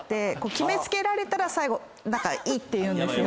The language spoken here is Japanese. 決め付けられたら最後いいって言うんですよ。